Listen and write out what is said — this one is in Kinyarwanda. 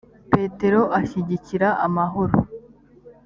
petero ashyigikira amahoro